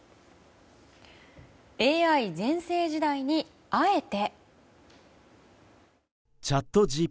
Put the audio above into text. ＡＩ全盛時代にあえて。